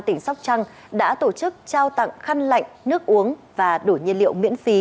tỉnh sóc trăng đã tổ chức trao tặng khăn lạnh nước uống và đủ nhiên liệu miễn phí